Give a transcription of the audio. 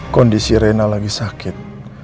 kondisi rena lagi sakit